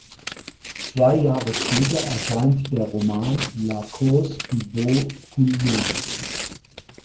Zwei Jahre später erscheint der Roman "La Cause du beau Guillaume".